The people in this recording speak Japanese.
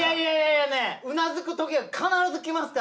うなずくときが必ずきますから。